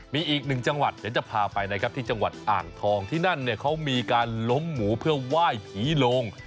มีอีกหนึ่งจังหวัดเดี๋ยวจะพาไปนะครับที่จังหวัดอ่างทองที่นั่นเนี่ยเขามีการล้มหมูเพื่อไหว้ผีโลง